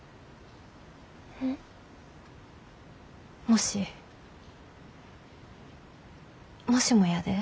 もしもしもやで。